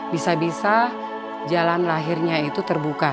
bisa bisa jalan lahirnya itu terbuka